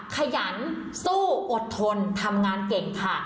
ขยันสู้อดทนทำงานเก่งค่ะ